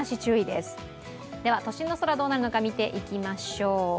では都心の空、どうなるのか見ていきましょう。